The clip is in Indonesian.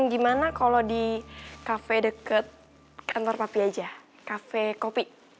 gimana kalau di kafe dekat kantor papi aja kafe kopi